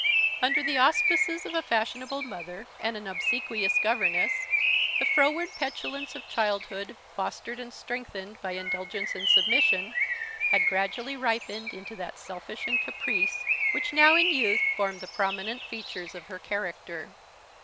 Under the auspices of a fashionable mother and an obsequious governess the froward petulance of childhood, fostered and strengthened by indulgence and submission, had gradually ripened into that selfishness and caprice which now, in youth, formed the prominent features of her character.